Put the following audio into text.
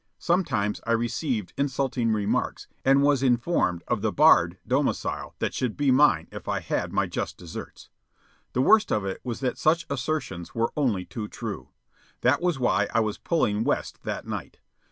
Sometimes I received insulting remarks and was informed of the barred domicile that should be mine if I had my just deserts. The worst of it was that such assertions were only too true. That was why I was pulling west that night.